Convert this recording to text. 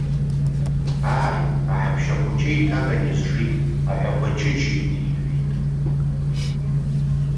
Ааи, аҳаԥшьа хәыҷы еиҭаганы изжит, аҳәақәа ачычеит иҳәеит.